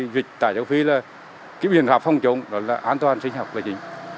dịch tả chống phí là biện pháp phòng chống đó là an toàn sinh học vệ sinh